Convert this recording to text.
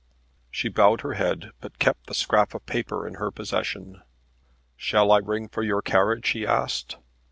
She bowed her head, but kept the scrap of paper in her possession. "Shall I ring for your carriage?" he asked.